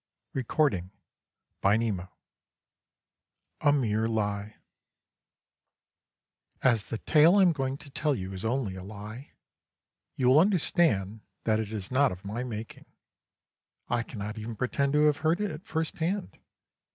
Good night." XXIII A MERE LIE As the tale I am going to tell you is only a lie, you will understand that it is not of my making; I cannot even pretend to have heard it at first hand.